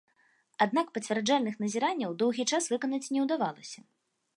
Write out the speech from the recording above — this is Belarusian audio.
Аднак пацвярджальных назіранняў доўгі час выканаць не ўдавалася.